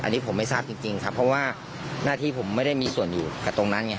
อันนี้ผมไม่ทราบจริงครับเพราะว่าหน้าที่ผมไม่ได้มีส่วนอยู่กับตรงนั้นไง